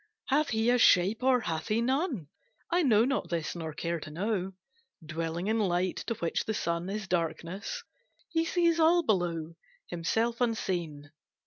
"Hath He a shape, or hath He none? I know not this, nor care to know, Dwelling in light, to which the sun Is darkness, He sees all below, Himself unseen!